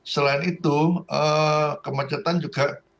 selain itu kemacetan juga